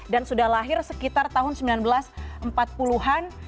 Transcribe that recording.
dan sudah lahir sekitar tahun seribu sembilan ratus empat puluh an